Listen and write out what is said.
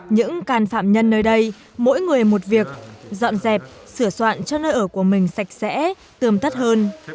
những can phạm nhân nơi đây mỗi người một việc dọn dẹp sửa soạn cho nơi ở của mình sạch sẽ tươm tắt hơn